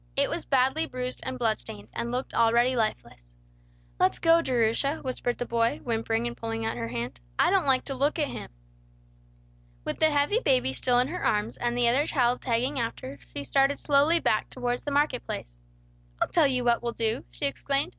It was badly bruised and blood stained, and looked already lifeless. "Let's go, Jerusha," whispered the boy, whimpering and pulling at her hand. "I don't like to look at him." With the heavy baby still in her arms, and the other child tagging after, she started slowly back towards the market place. "I'll tell you what we'll do," she exclaimed.